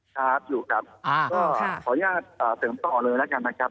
ครับอยู่ครับก็ขออนุญาตเสริมต่อเลยแล้วกันนะครับ